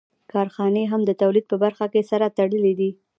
کارخانې هم د تولید په برخه کې سره تړلې دي